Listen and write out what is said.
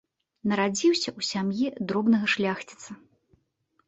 Нарадзіўся ў сям'і дробнага шляхціца.